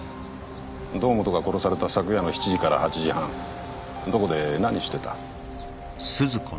堂本が殺された昨夜の７時から８時半どこで何してた？